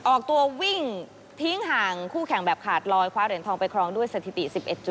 ออกตัววิ่งทิ้งห่างคู่แข่งแบบขาดลอยคว้าเหรียญทองไปครองด้วยสถิติ๑๑